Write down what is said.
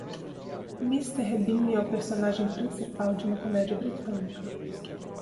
Mr. Bean é o personagem principal de uma comédia britânica.